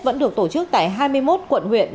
vẫn được tổ chức tại hai mươi một quận huyện